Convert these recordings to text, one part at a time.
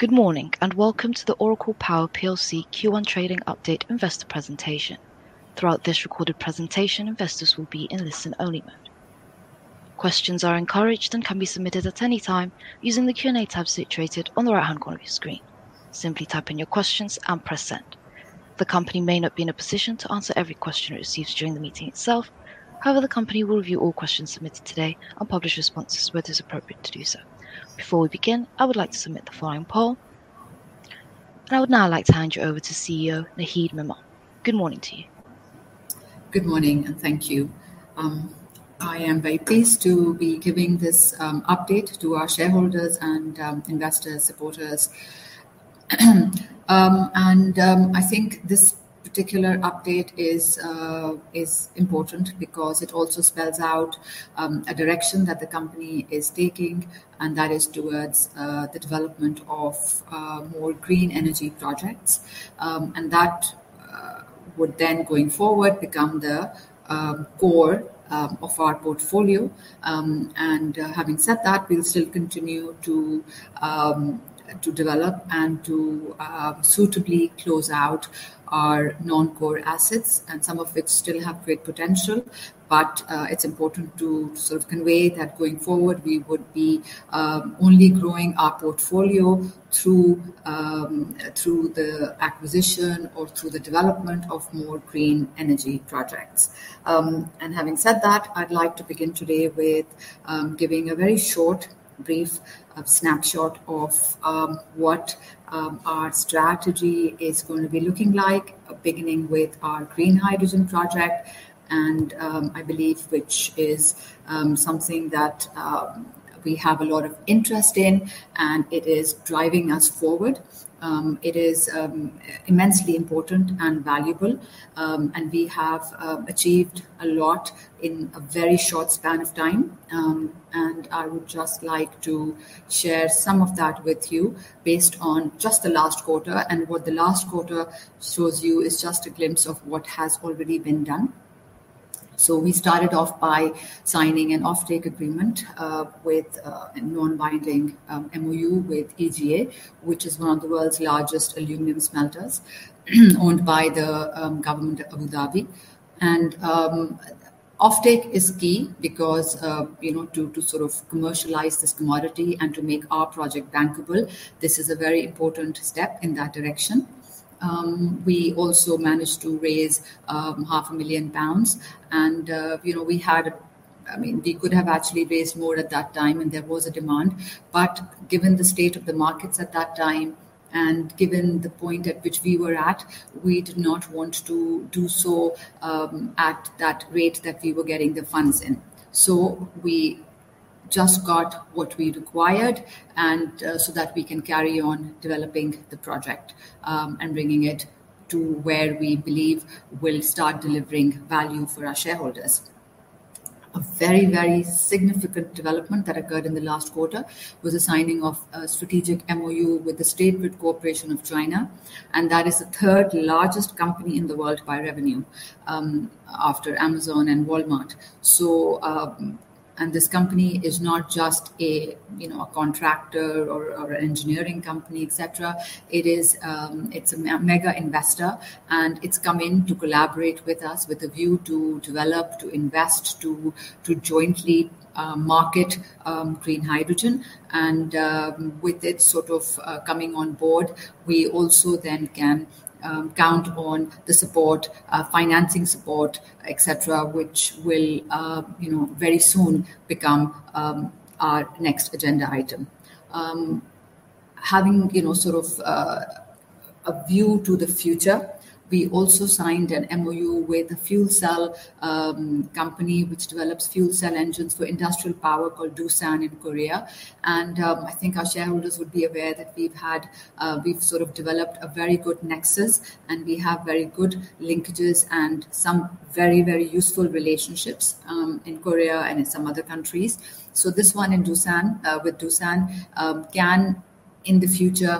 Good morning, and welcome to the Oracle Power PLC Q1 trading update investor presentation. Throughout this recorded presentation, investors will be in listen-only mode. Questions are encouraged and can be submitted at any time using the Q&A tab situated on the right-hand corner of your screen. Simply type in your questions and press send. The company may not be in a position to answer every question it receives during the meeting itself. However, the company will review all questions submitted today and publish responses where it is appropriate to do so. Before we begin, I would like to submit the following poll. I would now like to hand you over to CEO Naheed Memon. Good morning to you. Good morning, and thank you. I am very pleased to be giving this update to our shareholders and investor supporters. I think this particular update is important because it also spells out a direction that the company is taking, and that is towards the development of more green energy projects. That would then going forward become the core of our portfolio. Having said that, we'll still continue to develop and to suitably close out our non-core assets and some of which still have great potential. It's important to sort of convey that going forward, we would be only growing our portfolio through the acquisition or through the development of more green energy projects. Having said that, I'd like to begin today with giving a very short, brief snapshot of what our strategy is gonna be looking like, beginning with our green hydrogen project and, I believe, which is something that we have a lot of interest in, and it is driving us forward. It is immensely important and valuable. We have achieved a lot in a very short span of time. I would just like to share some of that with you based on just the last quarter. What the last quarter shows you is just a glimpse of what has already been done. We started off by signing an offtake agreement with a non-binding MoU with EGA, which is one of the world's largest aluminum smelters, owned by the government of Abu Dhabi. Offtake is key because you know to sort of commercialize this commodity and to make our project bankable, this is a very important step in that direction. We also managed to raise half a million pounds and you know we could have actually raised more at that time, and there was a demand. Given the state of the markets at that time, and given the point at which we were at, we did not want to do so at that rate that we were getting the funds in. We just got what we required and so that we can carry on developing the project and bringing it to where we believe will start delivering value for our shareholders. A very, very significant development that occurred in the last quarter was the signing of a strategic MoU with the State Grid Corporation of China, and that is the third largest company in the world by revenue after Amazon and Walmart. This company is not just a you know a contractor or an engineering company, et cetera. It is a mega investor, and it's come in to collaborate with us with a view to develop, to invest, to jointly market green hydrogen. With it sort of coming on board, we also then can count on the support, financing support, et cetera, which will, you know, very soon become our next agenda item. Having, you know, sort of a view to the future, we also signed an MoU with a fuel cell company which develops fuel cell engines for industrial power called Doosan in Korea. I think our shareholders would be aware that we've sort of developed a very good nexus, and we have very good linkages and some very, very useful relationships in Korea and in some other countries. This one in Doosan with Doosan can in the future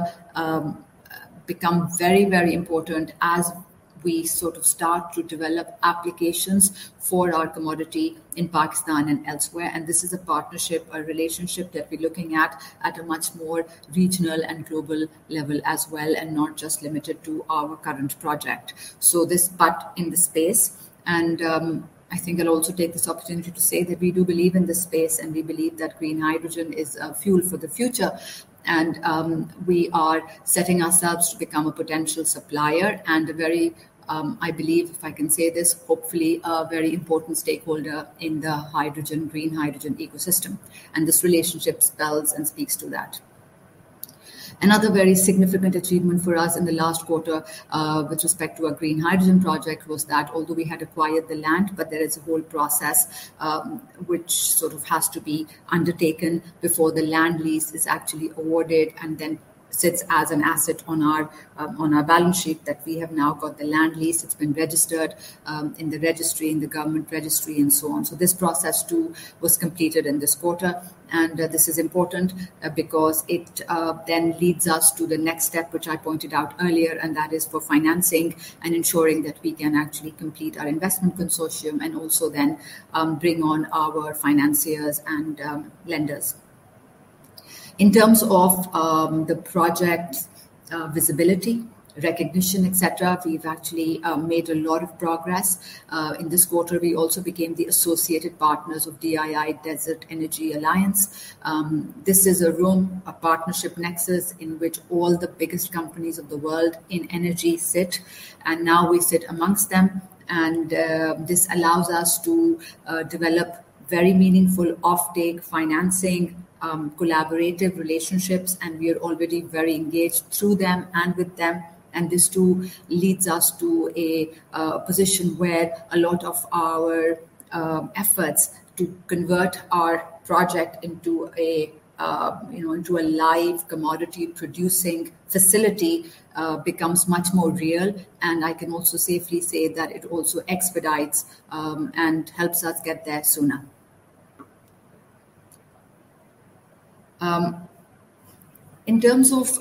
become very, very important as we sort of start to develop applications for our commodity in Pakistan and elsewhere. This is a partnership, a relationship that we're looking at a much more regional and global level as well, and not just limited to our current project. This part in the space and, I think I'll also take this opportunity to say that we do believe in this space, and we believe that green hydrogen is a fuel for the future. We are setting ourselves to become a potential supplier and a very, I believe, if I can say this, hopefully a very important stakeholder in the hydrogen, green hydrogen ecosystem. This relationship spells and speaks to that. Another very significant achievement for us in the last quarter, with respect to our green hydrogen project, was that although we had acquired the land, but there is a whole process, which sort of has to be undertaken before the land lease is actually awarded and then sits as an asset on our, on our balance sheet, that we have now got the land lease. It's been registered, in the registry, in the government registry and so on. This process too was completed in this quarter. This is important because it then leads us to the next step, which I pointed out earlier, and that is for financing and ensuring that we can actually complete our investment consortium and also then bring on our financiers and lenders. In terms of the project's visibility, recognition, et cetera, we've actually made a lot of progress. In this quarter, we also became the associated partners of Dii Desert Energy Alliance. This is a forum, a partnership nexus in which all the biggest companies of the world in energy sit, and now we sit amongst them and this allows us to develop very meaningful offtake financing, collaborative relationships, and we are already very engaged through them and with them. This too leads us to a position where a lot of our efforts to convert our project into a you know into a live commodity producing facility becomes much more real. I can also safely say that it also expedites and helps us get there sooner. In terms of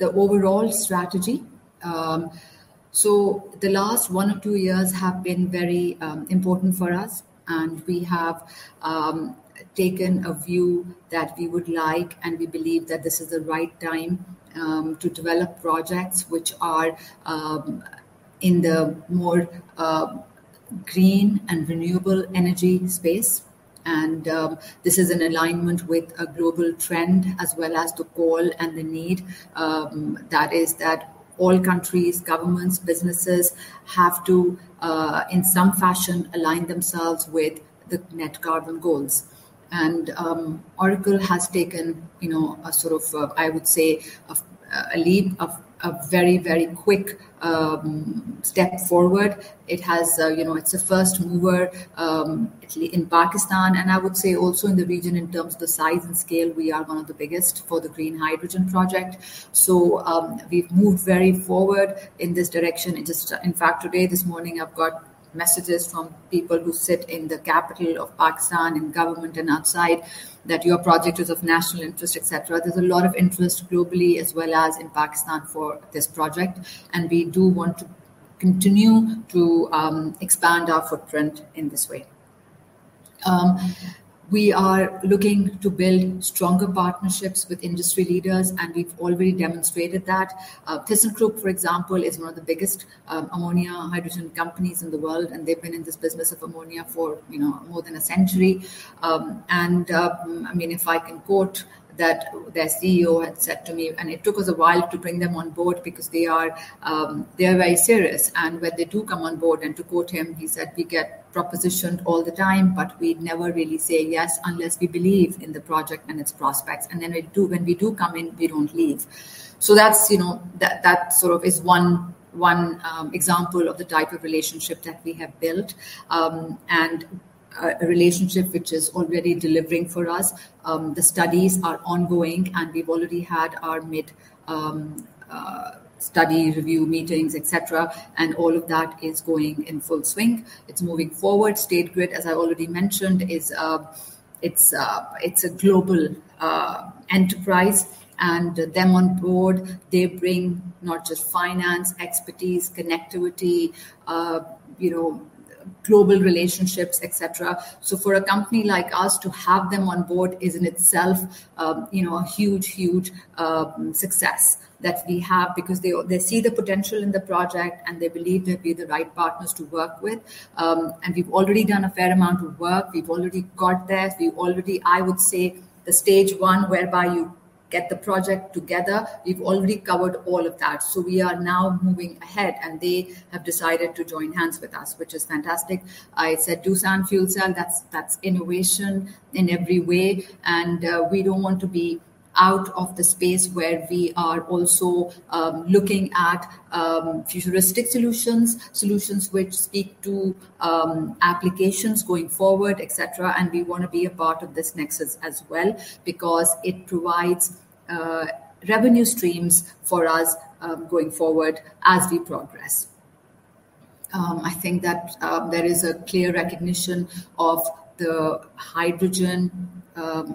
the overall strategy. The last one or two years have been very important for us, and we have taken a view that we would like, and we believe that this is the right time to develop projects which are in the more green and renewable energy space. This is in alignment with a global trend as well as the call and the need that all countries, governments, businesses have to in some fashion align themselves with the net zero carbon goals. Oracle has taken, you know, a sort of, I would say a very, very quick step forward. It has, you know, it's a first mover in Pakistan, and I would say also in the region in terms of the size and scale, we are one of the biggest for the green hydrogen project. We've moved very forward in this direction. In fact, today, this morning, I've got messages from people who sit in the capital of Pakistan, in government and outside that your project is of national interest, et cetera. There's a lot of interest globally as well as in Pakistan for this project, and we do want to continue to expand our footprint in this way. We are looking to build stronger partnerships with industry leaders, and we've already demonstrated that. ThyssenKrupp, for example, is one of the biggest ammonia and hydrogen companies in the world, and they've been in this business of ammonia for, you know, more than a century. I mean, if I can quote that their CEO had said to me, and it took us a while to bring them on board because they are very serious. When they do come on board and to quote him, he said, "We get propositioned all the time, but we never really say yes unless we believe in the project and its prospects. when we do come in, we don't leave. That's, you know, that sort of is one example of the type of relationship that we have built, and a relationship which is already delivering for us. The studies are ongoing, and we've already had our mid study review meetings, et cetera. All of that is going in full swing. It's moving forward. State Grid, as I already mentioned, is a global enterprise. Them on board, they bring not just finance, expertise, connectivity, you know, global relationships, et cetera. For a company like us to have them on board is in itself, you know, a huge success that we have because they see the potential in the project, and they believe they'll be the right partners to work with. We've already done a fair amount of work. We've already got there. We've already, I would say, the stage one, whereby you get the project together, we've already covered all of that. We are now moving ahead, and they have decided to join hands with us, which is fantastic. I said Doosan Fuel Cell, that's innovation in every way. We don't want to be out of the space where we are also looking at futuristic solutions which speak to applications going forward, et cetera. We wanna be a part of this nexus as well because it provides revenue streams for us going forward as we progress. I think that there is a clear recognition of the hydrogen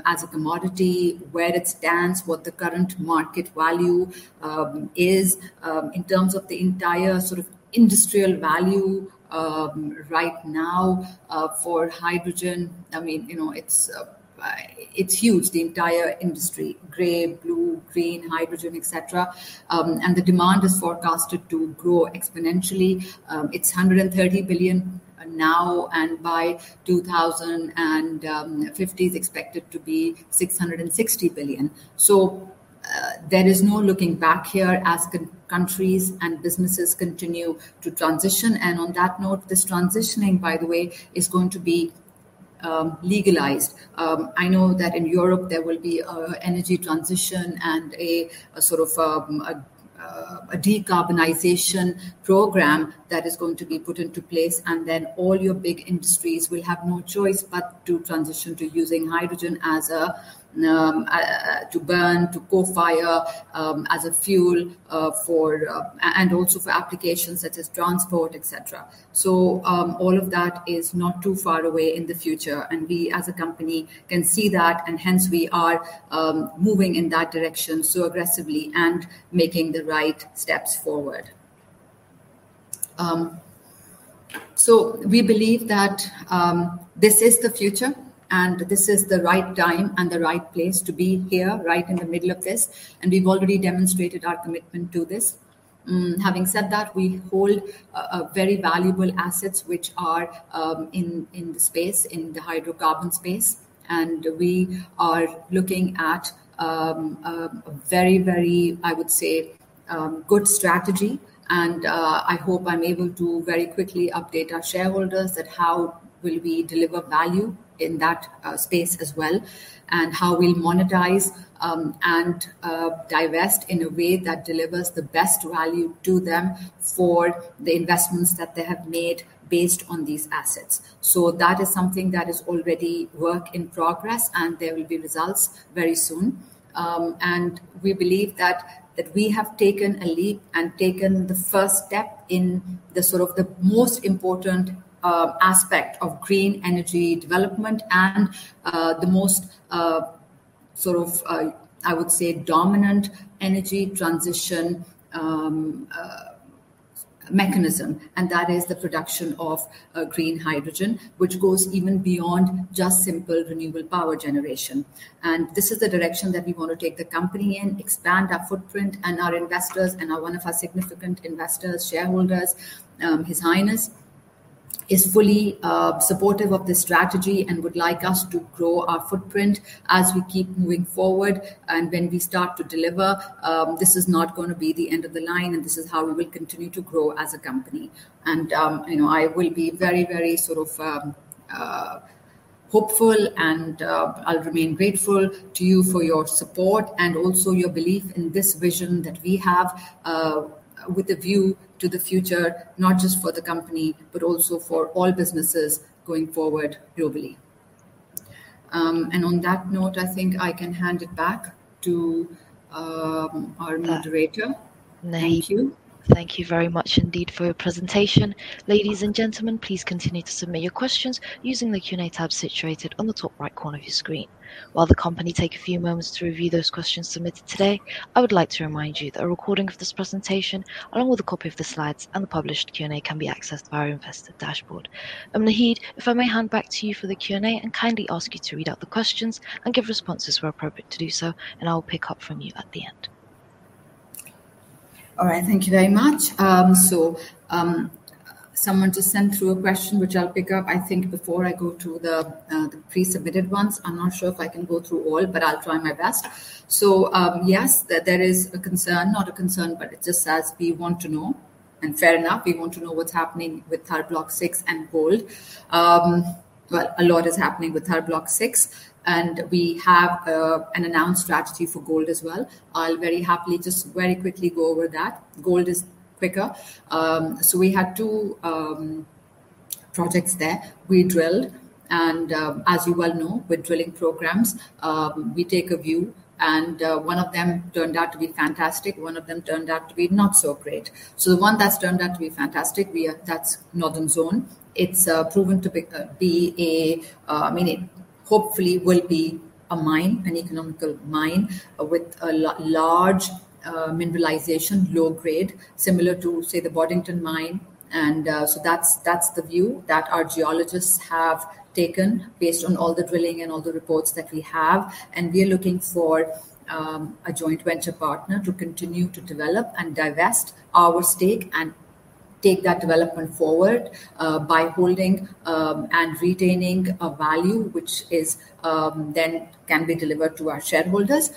as a commodity, where it stands, what the current market value is in terms of the entire sort of industrial value right now for hydrogen. I mean, you know, it's huge. The entire industry, gray, blue, green hydrogen, et cetera. The demand is forecasted to grow exponentially. It's 130 billion now, and by 2050 it's expected to be 660 billion. There is no looking back here as countries and businesses continue to transition. On that note, this transitioning, by the way, is going to be legalized. I know that in Europe there will be an energy transition and a sort of decarbonization program that is going to be put into place. Then all your big industries will have no choice but to transition to using hydrogen to burn, to co-fire as a fuel and also for applications such as transport, et cetera. All of that is not too far away in the future, and we as a company can see that, and hence we are moving in that direction so aggressively and making the right steps forward. We believe that this is the future, and this is the right time and the right place to be here, right in the middle of this, and we've already demonstrated our commitment to this. Having said that, we hold very valuable assets which are in the space, in the hydrocarbon space, and we are looking at very I would say good strategy and I hope I'm able to very quickly update our shareholders that how will we deliver value in that space as well and how we'll monetize and divest in a way that delivers the best value to them for the investments that they have made based on these assets. That is something that is already work in progress, and there will be results very soon. We believe that we have taken a leap and taken the first step in the sort of most important aspect of green energy development and the most sort of I would say dominant energy transition mechanism and that is the production of green hydrogen, which goes even beyond just simple renewable power generation. This is the direction that we wanna take the company in, expand our footprint and our investors and our one of our significant investors, shareholders, His Highness, is fully supportive of this strategy and would like us to grow our footprint as we keep moving forward. When we start to deliver, this is not gonna be the end of the line, and this is how we will continue to grow as a company. You know, I will be very, very sort of hopeful and I'll remain grateful to you for your support and also your belief in this vision that we have with a view to the future, not just for the company, but also for all businesses going forward globally. On that note, I think I can hand it back to our moderator. Naheed- Thank you. Thank you very much indeed for your presentation. Ladies and gentlemen, please continue to submit your questions using the Q&A tab situated on the top right corner of your screen. While the company take a few moments to review those questions submitted today, I would like to remind you that a recording of this presentation, along with a copy of the slides and the published Q&A, can be accessed via our investor dashboard. Naheed, if I may hand back to you for the Q&A and kindly ask you to read out the questions and give responses where appropriate to do so, and I'll pick up from you at the end. All right. Thank you very much. Someone just sent through a question, which I'll pick up, I think, before I go to the pre-submitted ones. I'm not sure if I can go through all, but I'll try my best. Yes, there is a concern, not a concern, but it just says we want to know, and fair enough, we want to know what's happening with Thar Block VI and gold. A lot is happening with Thar Block VI, and we have an announced strategy for gold as well. I'll very happily just very quickly go over that. Gold is quicker. We had two projects there. We drilled and, as you well know, with drilling programs, we take a view, and one of them turned out to be fantastic, one of them turned out to be not so great. The one that's turned out to be fantastic, that's Northern Zone. It's proven to be a, I mean, it hopefully will be a mine, an economical mine with a large mineralization, low grade, similar to, say, the Boddington Mine. That's the view that our geologists have taken based on all the drilling and all the reports that we have, and we're looking for a joint venture partner to continue to develop and divest our stake and take that development forward, by holding and retaining a value which is then can be delivered to our shareholders.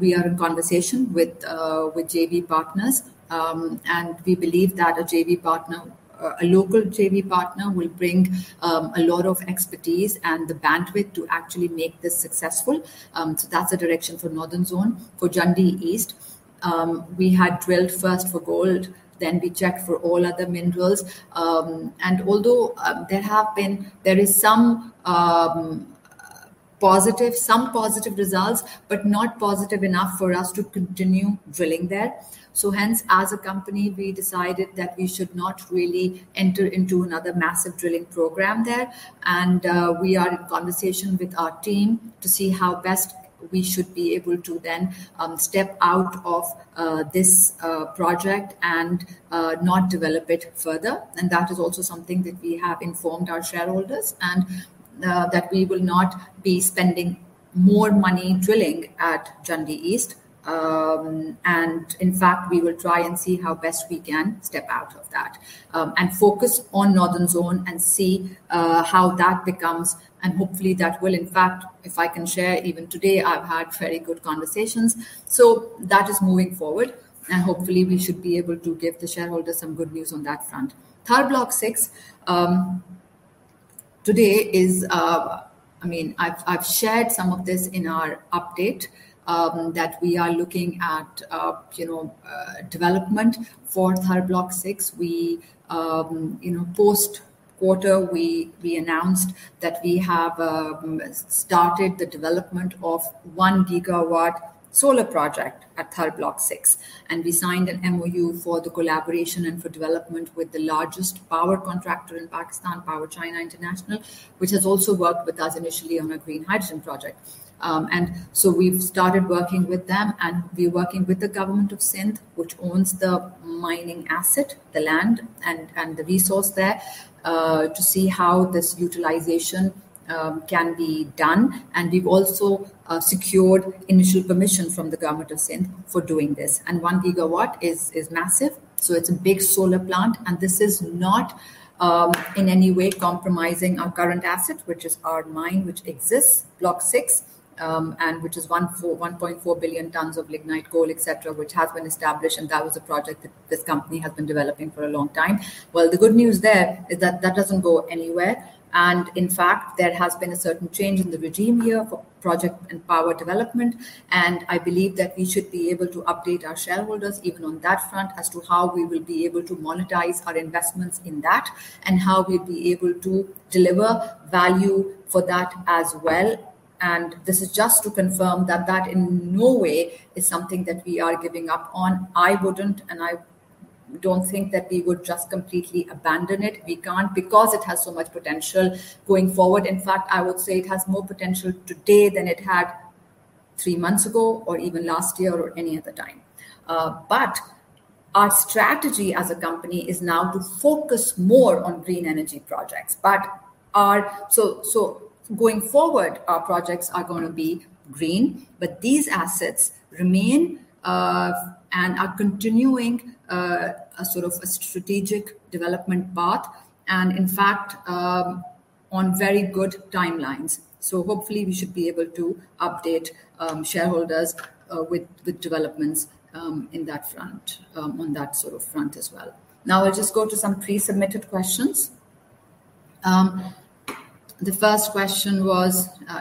We are in conversation with JV partners, and we believe that a local JV partner will bring a lot of expertise and the bandwidth to actually make this successful. That's the direction for Northern Zone. For Jhandi East, we had drilled first for gold, then we checked for all other minerals. Although there have been some positive results, but not positive enough for us to continue drilling there. Hence, as a company, we decided that we should not really enter into another massive drilling program there. We are in conversation with our team to see how best we should be able to then step out of this project and not develop it further. That is also something that we have informed our shareholders and that we will not be spending more money drilling at Jhandi East. In fact, we will try and see how best we can step out of that and focus on Northern Zone and see how that becomes. Hopefully that will, in fact, if I can share even today, I've had very good conversations. That is moving forward, and hopefully we should be able to give the shareholders some good news on that front. Thar Block VI today is. I've shared some of this in our update that we are looking at development for Thar Block VI. Post-quarter, we announced that we have started the development of 1 GW solar project at Thar Block VI. We signed an MOU for the collaboration and for development with the largest power contractor in Pakistan, PowerChina International, which has also worked with us initially on a green hydrogen project. We've started working with them, and we're working with the government of Sindh, which owns the mining asset, the land and the resource there, to see how this utilization can be done. We've also secured initial permission from the government of Sindh for doing this. One gigawatt is massive, so it's a big solar plant and this is not in any way compromising our current asset, which is our mine, which exists, Block VI, and which is 1.4 billion tons of lignite coal, et cetera, which has been established, and that was a project that this company has been developing for a long time. Well, the good news there is that that doesn't go anywhere, and in fact, there has been a certain change in the regime here for project and power development. I believe that we should be able to update our shareholders even on that front as to how we will be able to monetize our investments in that and how we'll be able to deliver value for that as well. This is just to confirm that in no way is something that we are giving up on. I wouldn't, and I don't think that we would just completely abandon it. We can't because it has so much potential going forward. In fact, I would say it has more potential today than it had three months ago or even last year or any other time. But our strategy as a company is now to focus more on green energy projects. Going forward, our projects are gonna be green, but these assets remain and are continuing a sort of a strategic development path and in fact, on very good timelines. Hopefully we should be able to update shareholders with developments in that front, on that sort of front as well. Now I'll just go to some pre-submitted questions. The first question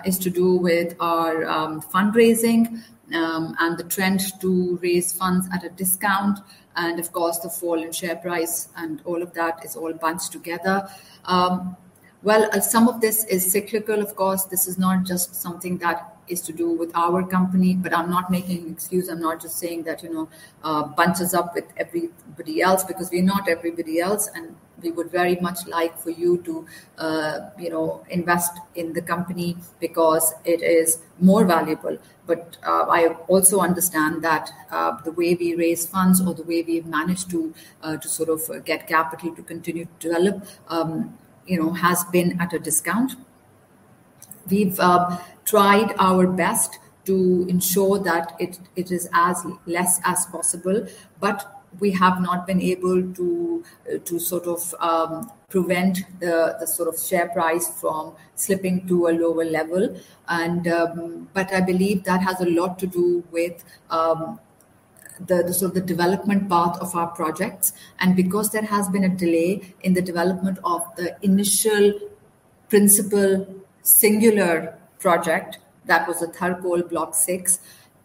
is to do with our fundraising and the trend to raise funds at a discount and of course the fall in share price and all of that is all bunched together. Well, some of this is cyclical, of course. This is not just something that is to do with our company. I'm not making excuses, I'm not just saying that, you know, bunch us up with everybody else because we're not everybody else, and we would very much like for you to, you know, invest in the company because it is more valuable. I also understand that the way we raise funds or the way we've managed to sort of get capital to continue to develop, you know, has been at a discount. We've tried our best to ensure that it is as less as possible, but we have not been able to to sort of prevent the sort of share price from slipping to a lower level and. I believe that has a lot to do with the sort of development path of our projects. Because there has been a delay in the development of the initial principal singular project that was at Thar Coal Block VI,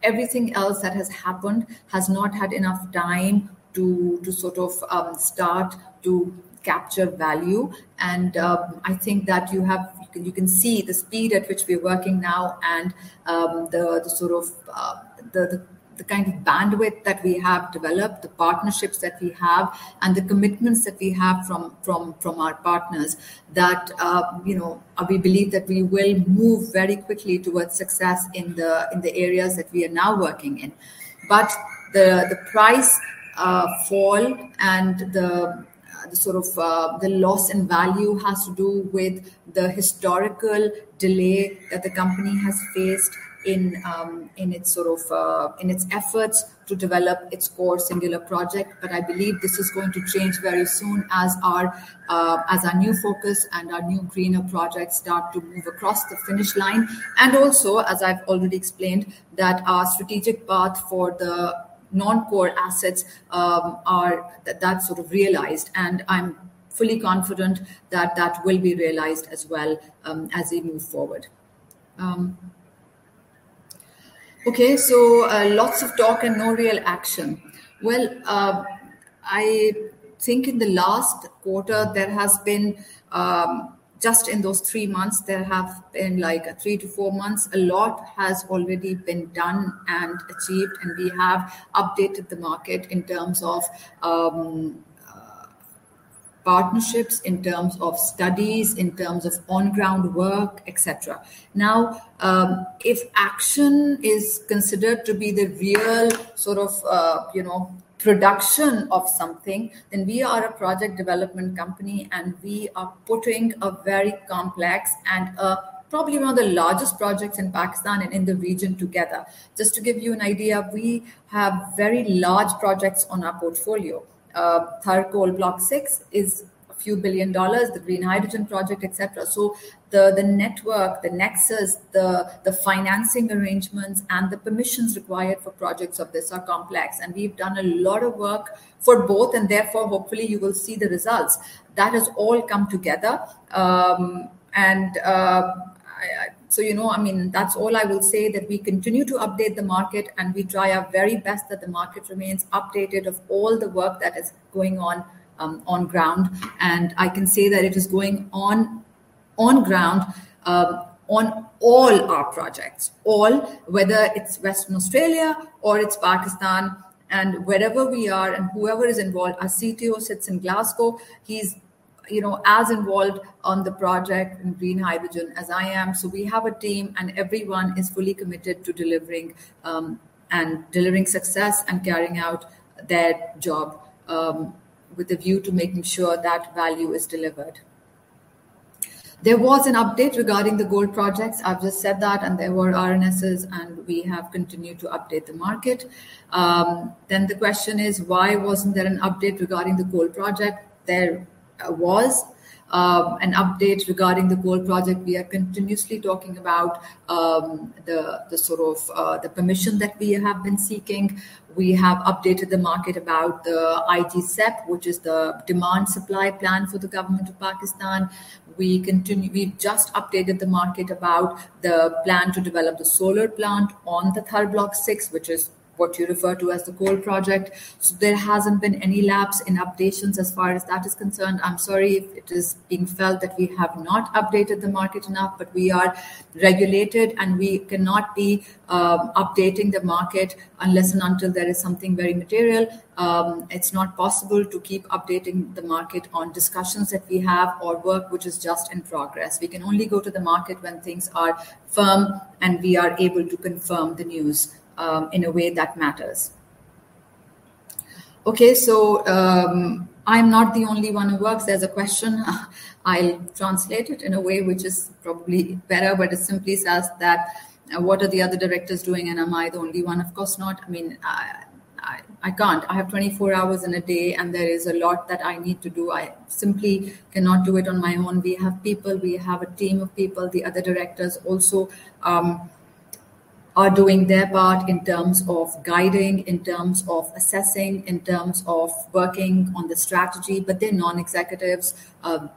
everything else that has happened has not had enough time to sort of start to capture value. I think that you have. You can see the speed at which we're working now and the sort of kind of bandwidth that we have developed, the partnerships that we have and the commitments that we have from our partners that you know we believe that we will move very quickly towards success in the areas that we are now working in. The price fall and the sort of loss in value has to do with the historical delay that the company has faced in its sort of efforts to develop its core singular project. I believe this is going to change very soon as our new focus and our new greener projects start to move across the finish line. As I've already explained, that our strategic path for the non-core assets are that's sort of realized, and I'm fully confident that that will be realized as well, as we move forward. Okay. Lots of talk and no real action. Well, I think in the last quarter there has been. Just in those three months, there have been like 3-f months, a lot has already been done and achieved, and we have updated the market in terms of partnerships, in terms of studies, in terms of on ground work, et cetera. Now, if action is considered to be the real sort of, you know, production of something, then we are a project development company, and we are putting a very complex and, probably one of the largest projects in Pakistan and in the region together. Just to give you an idea, we have very large projects on our portfolio. Thar Coal Block VI is $ a few billion, the green hydrogen project, et cetera. The network, the nexus, the financing arrangements and the permissions required for projects of this are complex, and we've done a lot of work for both and therefore hopefully you will see the results. That has all come together. You know, I mean, that's all I will say, that we continue to update the market and we try our very best that the market remains updated of all the work that is going on ground. I can say that it is going on ground, on all our projects. All, whether it's Western Australia or it's Pakistan, and wherever we are and whoever is involved. Our CTO sits in Glasgow. He's, you know, as involved on the project in green hydrogen as I am. We have a team, and everyone is fully committed to delivering, and delivering success and carrying out their job, with a view to making sure that value is delivered. There was an update regarding the gold projects. I've just said that, and there were RNSs, and we have continued to update the market. The question is, why wasn't there an update regarding the gold project? There was an update regarding the gold project. We are continuously talking about the sort of permission that we have been seeking. We have updated the market about the IGCEP, which is the demand supply plan for the government of Pakistan. We just updated the market about the plan to develop the solar plant on the Thar Block VI, which is what you refer to as the gold project. There hasn't been any lapse in updates as far as that is concerned. I'm sorry if it is being felt that we have not updated the market enough, but we are regulated, and we cannot be updating the market unless and until there is something very material. It's not possible to keep updating the market on discussions that we have or work which is just in progress. We can only go to the market when things are firm, and we are able to confirm the news in a way that matters. Okay. I'm not the only one who works. There's a question. I'll translate it in a way which is probably better, but it simply says that, what are the other directors doing, and am I the only one? Of course not. I mean, I can't. I have 24 hours in a day, and there is a lot that I need to do. I simply cannot do it on my own. We have people. We have a team of people. The other directors also are doing their part in terms of guiding, in terms of assessing, in terms of working on the strategy, but they're non-executives.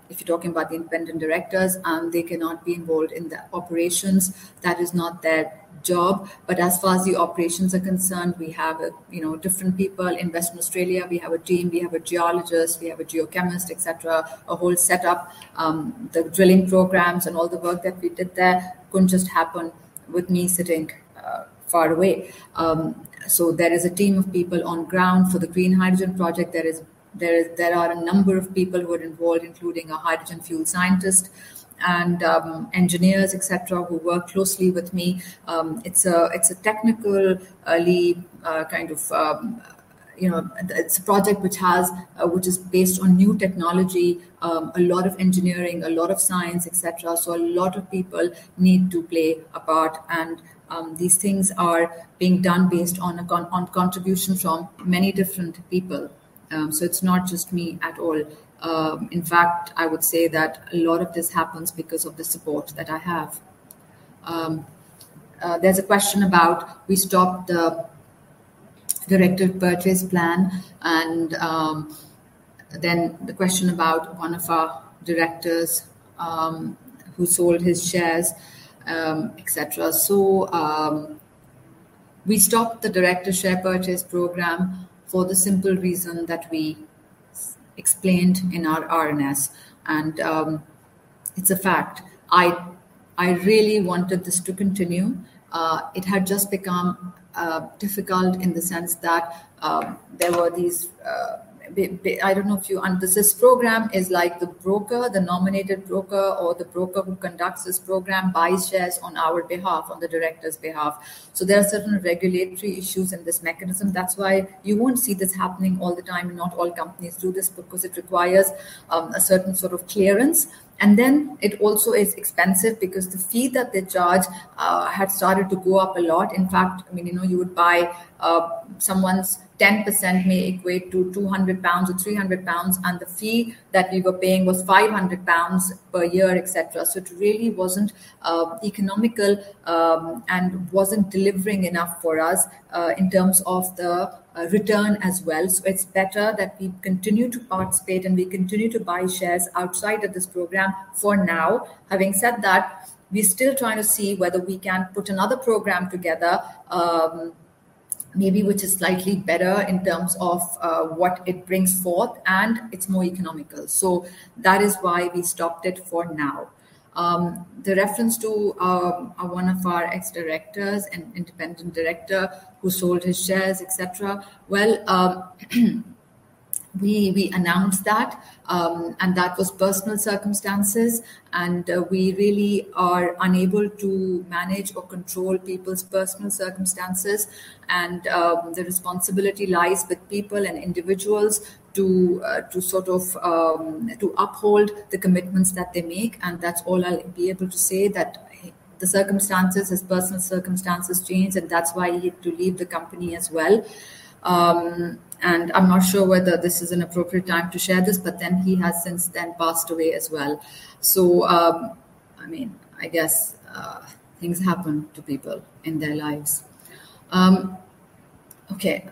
If you're talking about the independent directors, they cannot be involved in the operations. That is not their job. As far as the operations are concerned, we have, you know, different people. In Western Australia, we have a team. We have a geologist. We have a geochemist, et cetera. A whole setup. The drilling programs and all the work that we did there couldn't just happen with me sitting far away. There is a team of people on ground for the green hydrogen project. There are a number of people who are involved, including a hydrogen fuel scientist and engineers, et cetera, who work closely with me. It's a technical lead kind of, you know. It's a project which is based on new technology, a lot of engineering, a lot of science, et cetera. So a lot of people need to play a part. These things are being done based on contributions from many different people. So it's not just me at all. In fact, I would say that a lot of this happens because of the support that I have. There's a question about we stopped the director purchase plan, and then the question about one of our directors who sold his shares, et cetera. We stopped the director share purchase program for the simple reason that we explained in our RNS, and it's a fact. I really wanted this to continue. It had just become difficult in the sense that there were these. I don't know if you understand. This program is like the broker, the nominated broker or the broker who conducts this program buys shares on our behalf, on the directors' behalf. There are certain regulatory issues in this mechanism. That's why you won't see this happening all the time, and not all companies do this because it requires a certain sort of clearance. It also is expensive because the fee that they charge had started to go up a lot. In fact, I mean, you know, you would buy someone's 10% may equate to 200 pounds or 300 pounds, and the fee that we were paying was 500 pounds per year, et cetera. It really wasn't economical, and wasn't delivering enough for us in terms of the return as well. It's better that we continue to participate, and we continue to buy shares outside of this program for now. Having said that, we're still trying to see whether we can put another program together, maybe which is slightly better in terms of what it brings forth, and it's more economical. That is why we stopped it for now. The reference to one of our ex-directors, an independent director who sold his shares, et cetera. Well, we announced that and that was personal circumstances. We really are unable to manage or control people's personal circumstances. The responsibility lies with people and individuals to sort of uphold the commitments that they make, and that's all I'll be able to say. The circumstances, his personal circumstances changed, and that's why he had to leave the company as well. I'm not sure whether this is an appropriate time to share this, but then he has since then passed away as well. I mean, I guess things happen to people in their lives. Okay.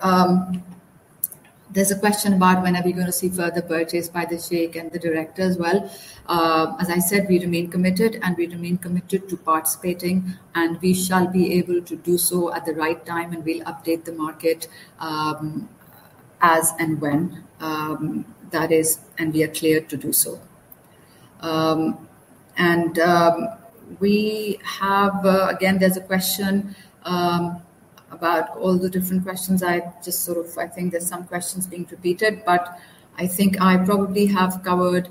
There's a question about when are we gonna see further purchase by the Sheikh and the director as well. As I said, we remain committed to participating, and we shall be able to do so at the right time, and we'll update the market, as and when that is, and we are clear to do so. We have, again, there's a question about all the different questions. I just sort of I think there's some questions being repeated, but I think I probably have covered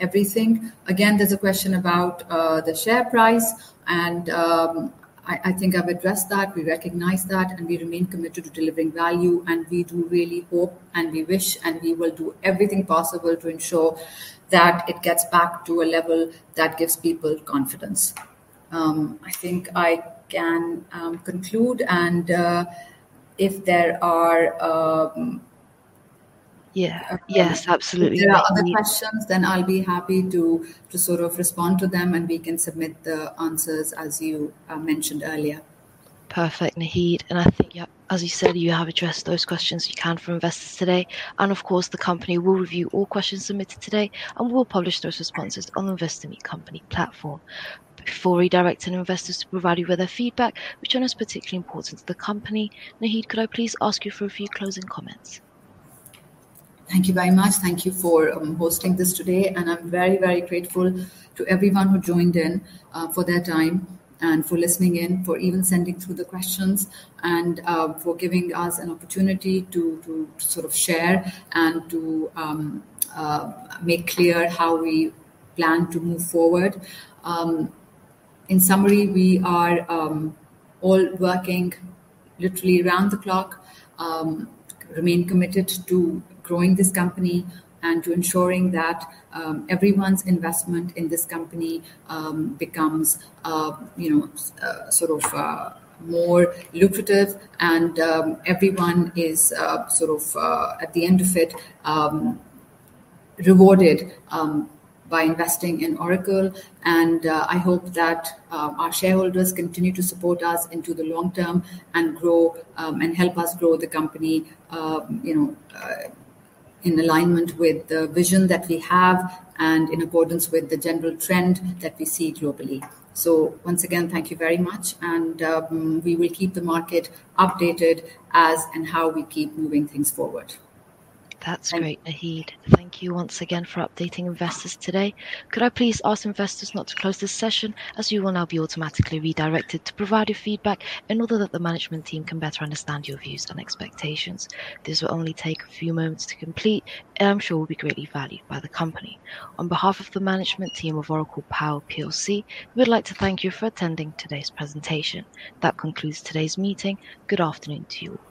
everything. Again, there's a question about the share price and, I think I've addressed that. We recognize that, and we remain committed to delivering value, and we do really hope, and we wish, and we will do everything possible to ensure that it gets back to a level that gives people confidence. I think I can conclude and, if there are, Yeah. Yes, absolutely. If there are other questions, then I'll be happy to sort of respond to them, and we can submit the answers as you mentioned earlier. Perfect, Naheed. I think, yeah, as you said, you have addressed those questions you can for investors today. Of course, the company will review all questions submitted today and will publish those responses on the Investor Meet Company platform. Before redirecting investors to provide you with their feedback, which is particularly important to the company, Naheed, could I please ask you for a few closing comments? Thank you very much. Thank you for hosting this today, and I'm very, very grateful to everyone who joined in for their time and for listening in, for even sending through the questions and for giving us an opportunity to sort of share and to make clear how we plan to move forward. In summary, we are all working literally around the clock. We remain committed to growing this company and to ensuring that everyone's investment in this company becomes, you know, sort of, more lucrative and everyone is sort of at the end of it rewarded by investing in Oracle. I hope that our shareholders continue to support us into the long term and grow, and help us grow the company, you know, in alignment with the vision that we have and in accordance with the general trend that we see globally. Once again, thank you very much, and we will keep the market updated as and when we keep moving things forward. That's great, Naheed. Thank you once again for updating investors today. Could I please ask investors not to close this session, as you will now be automatically redirected to provide your feedback in order that the management team can better understand your views and expectations. This will only take a few moments to complete and I'm sure will be greatly valued by the company. On behalf of the management team of Oracle Power PLC, we would like to thank you for attending today's presentation. That concludes today's meeting. Good afternoon to you all.